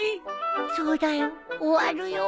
そうだよ終わるよ。